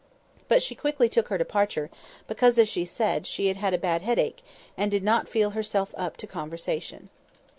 But she quickly took her departure, because, as she said, she had a bad headache, and did not feel herself up to conversation.